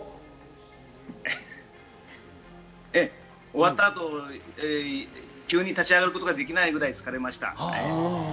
終わった後、急に立ち上がることができないぐらい疲れました。